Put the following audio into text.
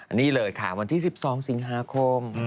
อันนี้เลยค่ะวันที่๑๒สิงหาคม